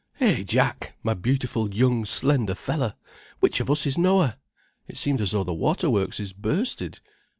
Hey, Jack, my beautiful young slender feller, which of us is Noah? It seems as though the water works is bursted.